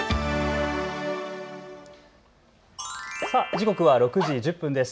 時刻は６時１０分です。